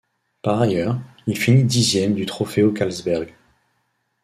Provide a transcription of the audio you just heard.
Par ailleurs, il finit dixième du Trofeo Karlsberg.